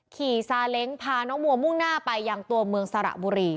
ซาเล้งพาน้องมัวมุ่งหน้าไปยังตัวเมืองสระบุรี